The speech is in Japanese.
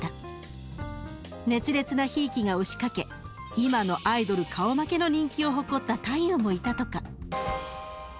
熱烈なひいきが押しかけ今のアイドル顔負けの人気を誇った太夫もいたとか。